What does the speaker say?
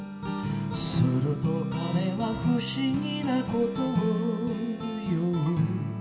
「すると彼は不思議なことを言う」